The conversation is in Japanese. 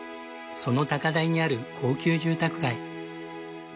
その高台にある高級住宅街。